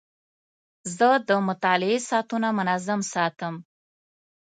زه د مطالعې ساعتونه منظم ساتم.